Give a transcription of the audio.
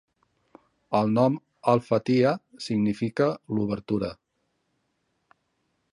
El nom "Al-Fatiha" significa l'obertura.